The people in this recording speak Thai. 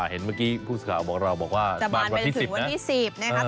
เห็นเมื่อกี้ผู้สามารถบอกว่าจะบานไปถึงวันที่๑๐นะครับ